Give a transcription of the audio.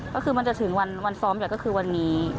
ก็คือมันจะถึงวันซ้อมใหญ่ก็คือวันนี้